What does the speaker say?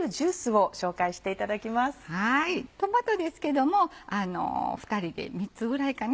はいトマトですけども２人で３つぐらいかな。